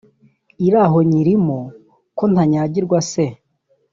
iraho nyirimo ko ntanyagirwa se